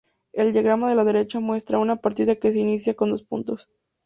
El diagrama de la derecha muestra una partida que se inicia con dos puntos.